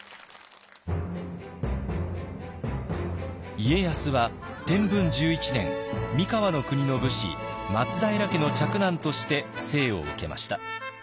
家康は天文１１年三河国の武士松平家の嫡男として生を受けました。